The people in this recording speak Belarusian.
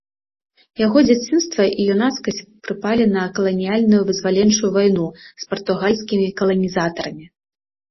Яго дзяцінства і юнацкасць прыпалі на каланіяльную вызваленчую вайну з партугальскімі каланізатарамі.